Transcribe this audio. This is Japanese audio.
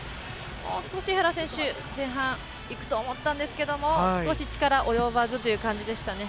もう少し、江原選手前半いくと思ったんですけども少し力及ばずという感じですかね。